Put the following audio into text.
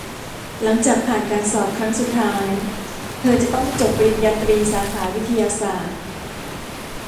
หลังจากผ่านการสอบครั้งสุดท้ายเธอจะต้องจบปริญญาตรีสาขาวิทยาศาสตร์